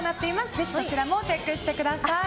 ぜひそちらもチェックしてください。